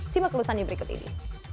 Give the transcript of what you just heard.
simak kelesannya berikut ini